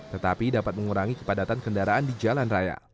tetapi dapat mengurangi kepadatan kendaraan di jalan raya